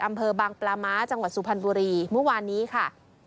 อำเภอบางปลาม้าจังหวัดสุพรรณบุรีเมื่อวานนี้ค่ะ